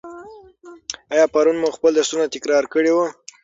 آیا پرون مو خپل درسونه تکرار کړي وو؟